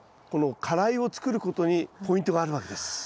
この花蕾を作ることにポイントがあるわけです。